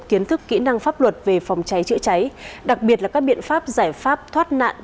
kiến thức kỹ năng pháp luật về phòng cháy chữa cháy đặc biệt là các biện pháp giải pháp thoát nạn